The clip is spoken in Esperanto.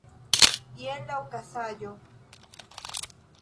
Jen la okazaĵo.